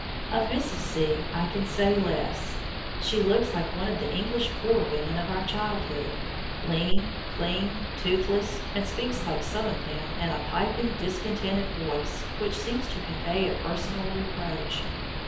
Of Mrs. C. I can say less. She looks like one of the English poor women of our childhood lean, clean, toothless, and speaks, like some of them, in a piping, discontented voice, which seems to convey a personal reproach.